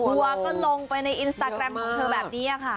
วัวก็ลงไปในอินสตาแกรมของเธอแบบนี้ค่ะ